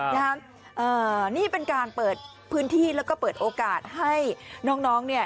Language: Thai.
นะฮะเอ่อนี่เป็นการเปิดพื้นที่แล้วก็เปิดโอกาสให้น้องน้องเนี่ย